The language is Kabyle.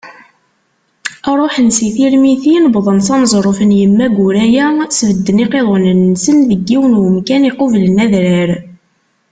Ṛuḥen si Tirmitin, wwḍen s aneẓruf n Yemma Guraya, sbedden iqiḍunen-nsen deg yiwen n umkan iqublen adrar.